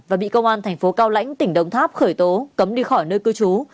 và bị công an thành phố cao lãnh tỉnh đồng tháp khởi tố cấm đi khỏi nơi cư trú